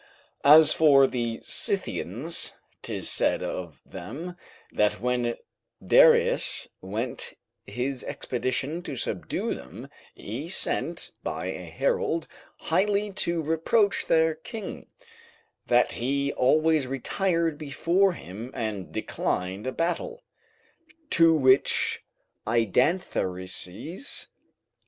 As for the Scythians, 'tis said of them, that when Darius went his expedition to subdue them, he sent, by a herald, highly to reproach their king, that he always retired before him and declined a battle; to which Idanthyrses, [Herod.